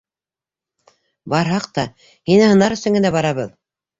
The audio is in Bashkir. - Барһаҡ та, һине һынар өсөн генә барабыҙ.